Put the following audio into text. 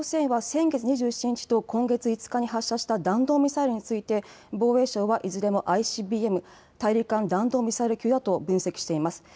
北朝鮮は先月２７日と今月５日に発射した弾道ミサイルについて、防衛省はいずれもＩＣＢＭ・大陸間弾道ミサイル級だと分析しています。